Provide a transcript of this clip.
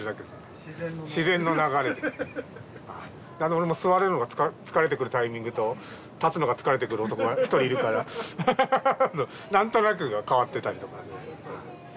俺も座るのが疲れてくるタイミングと立つのが疲れてくる男が一人いるから何となく代わってたりとか。